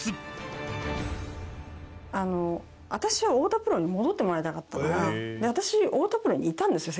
あの私は太田プロに戻ってもらいたかったから私太田プロにいたんですよ